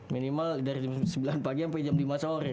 minimal dari jam sembilan pagi sampai jam lima sore